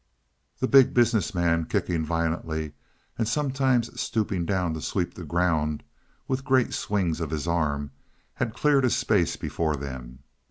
The Big Business Man, kicking violently, and sometimes stooping down to sweep the ground with great swings of his arm, had cleared a space before them.